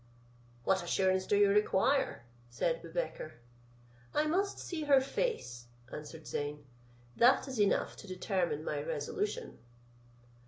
"What assurance do you require?" said Boubekir. "I must see her face," answered Zeyn; "that is enough to determine my resolution."